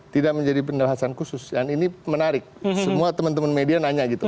tidak menjadi penjelasan khusus dan ini menarik semua teman teman media nanya gitu